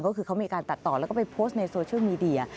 ก็คือเขามีการตัดต่อแล้วก็ไปโพสต์ในโซเชียลมีเดีย